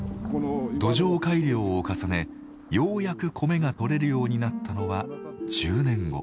土壌改良を重ねようやく米が取れるようになったのは１０年後。